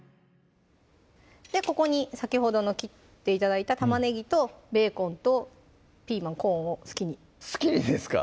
ここに先ほどの切って頂いた玉ねぎとベーコンとピーマン・コーンを好きに好きにですか？